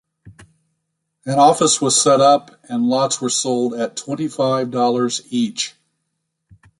An office was set up and lots were sold at twenty-five dollars each.